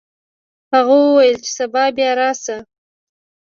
هغه وویل چې سبا بیا راشه.